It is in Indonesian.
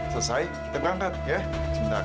selesai kita berangkat ya sebentar